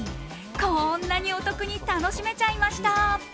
こんなにお得に楽しめちゃいました！